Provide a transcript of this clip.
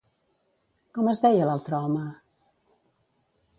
Com es deia l'altre home?